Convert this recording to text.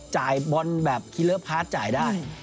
จ่ายบอลแบบคิเลอร์พาร์ทจ่ายได้